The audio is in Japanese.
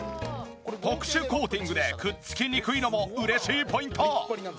特殊コーティングでくっつきにくいのも嬉しいポイント！